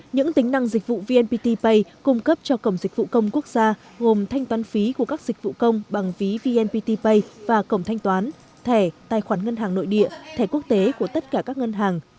những tính năng dịch vụ vnpt pay cung cấp cho cổng dịch vụ công quốc gia gồm thanh toán phí của các dịch vụ công bằng ví vnpt pay và cổng thanh toán thẻ tài khoản ngân hàng nội địa thẻ quốc tế của tất cả các ngân hàng